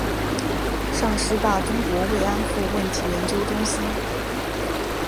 上师大中国慰安妇问题研究中心